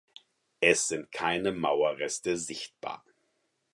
Es sind keine Mauerresten sichtbar.